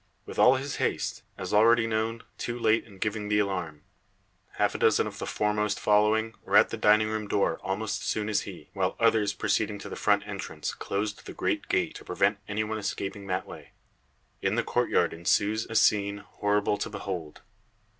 With all his haste, as already known, too late in giving the alarm. Half a dozen of the foremost, following, were at the dining room door almost soon as he, while others proceeding to the front entrance, closed the great gate, to prevent any one escaping that way. In the courtyard ensues a scene, horrible to behold.